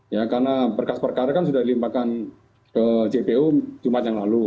ya karena berkas perkara kan sudah dilimpahkan ke jpu jumat yang lalu